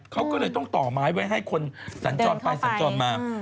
เขาก็เลยต้องต่อไม้ไว้ให้คนสัญจรไปสัญจรมา